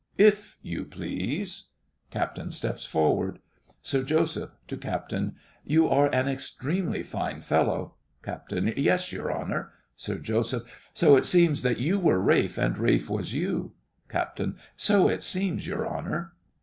If you please. (CAPTAIN steps forward.) SIR JOSEPH (to CAPTAIN).You are an extremely fine fellow. CAPT. Yes, your honour. SIR JOSEPH. So it seems that you were Ralph, and Ralph was you. CAPT. SO it seems, your honour.